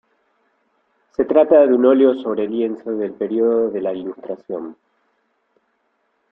Se trata de un óleo sobre lienzo del periodo de la Ilustración.